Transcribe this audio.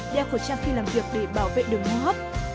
đeo khẩu trang khi làm việc để bảo vệ đường hô hấp